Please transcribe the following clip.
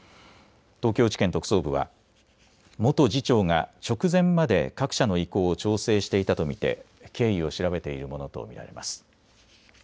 東京地検特捜部は元次長が直前まで各社の意向を調整していたと見て経緯を調べているものと見られます。